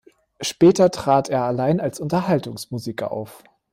Später trat er allein als Unterhaltungsmusiker auf.